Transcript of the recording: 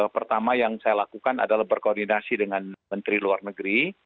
pertama yang saya lakukan adalah berkoordinasi dengan menteri luar negeri